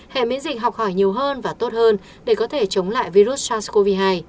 hệ miễn dịch học hỏi nhiều hơn và tốt hơn để có thể chống lại virus sars cov hai